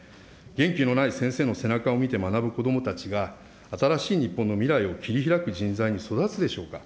元気のない先生の背中を見て学ぶ子どもたちが、新しい日本の未来を切りひらく人材に育つでしょうか。